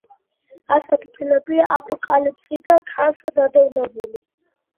ასეთი ფილმებია აპოკალიფსი და ქარს დადევნებული.